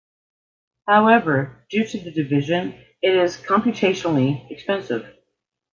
However, due to the division, it is computationally expensive.